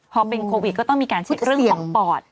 พอเป็นโควิดก็ต้องมีการเช็คเรื่องของปอด